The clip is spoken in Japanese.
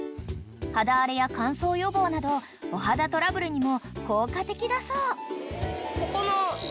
［肌荒れや乾燥予防などお肌トラブルにも効果的だそう］